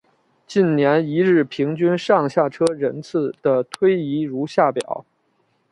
近年一日平均上下车人次的推移如下表。